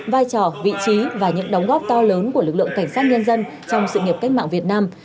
vai trò vị trí và những đóng góp to lớn của lực lượng cảnh sát nhân dân trong sự nghiệp cách mạng việt nam